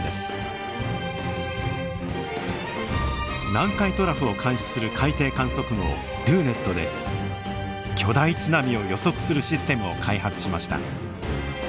南海トラフを監視する海底観測網ＤＯＮＥＴで巨大津波を予測するシステムを開発しました。